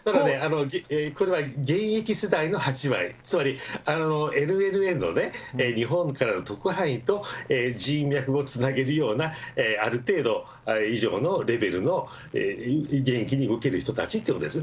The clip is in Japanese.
これは現役世代の８割、つまりＮＮＮの日本からの特派員と人脈をつなげるようなある程度以上のレベルの現役に動ける人たちということですね。